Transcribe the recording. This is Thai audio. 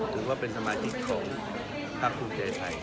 ถือว่าเป็นสมาชิกของทัพธุรกิจไทย